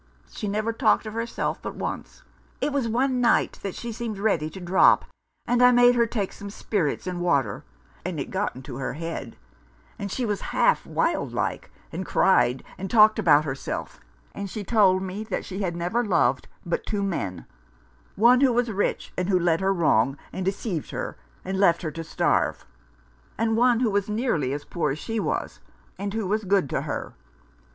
She never talked of herself but once. It was one night that she seemed ready to drop, and I made her take some spirits and water, and it got into her head, and she was half wild like, and cried and talked about herself; and she told me she had never loved but two men — one who was rich and who led her wrong, and deceived her, and left her to starve ; and one who was nearly as poor as she was, and who was good to her.